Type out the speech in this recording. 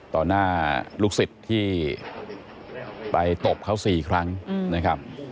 หน้าลูกศิษย์ที่ไปตบเขา๔ครั้งนะครับ